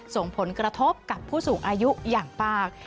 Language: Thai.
ส่งผลกระทบกับผู้สูงอายุอย่างมาก